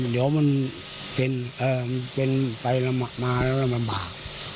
เดี๋ยวมันเป็นไปมาแล้วมันบาก